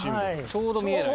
ちょうど見えない。